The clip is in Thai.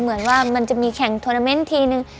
เหมือนว่ามันจะมีแข่งโทรนาเมนต์ทีนึง